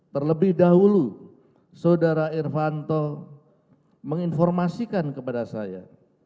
terlebih dahulu saudara irvanto menginformasikan kepada saya